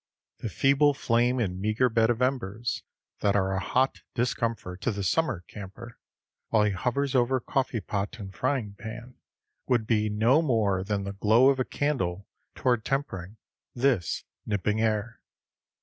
The feeble flame and meagre bed of embers that are a hot discomfort to the summer camper, while he hovers over coffee pot and frying pan, would be no more than the glow of a candle toward tempering this nipping air.